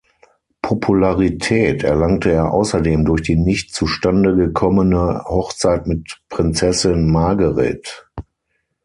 Popularität erlangte er außerdem durch die nicht zustande gekommene Hochzeit mit Prinzessin Margaret.